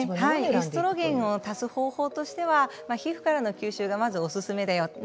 エストロゲンを足す方法としては皮膚からの吸収がおすすめだよと。